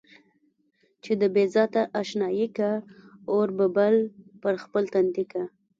چې د بې ذاته اشنايي کا، اور به بل پر خپل تندي کا.